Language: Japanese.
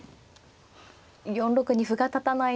４六に歩が立たないので。